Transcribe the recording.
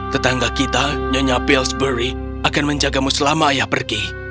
tetangga kita nyonya pillsbury akan menjagamu selama ayah pergi